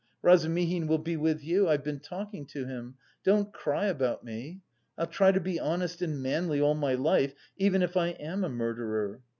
Razumihin will be with you. I've been talking to him.... Don't cry about me: I'll try to be honest and manly all my life, even if I am a murderer.